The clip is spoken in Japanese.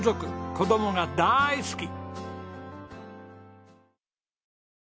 子供が大好き！